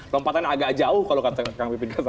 lompatan agak jauh kalau kata kang bipin